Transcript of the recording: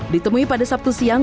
ditemui pada sabtu siang